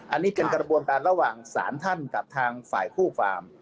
อันนี้เป็นกระบวนการระหว่างศาลท่านกับทางฝ่ายคู่ฟาร์ม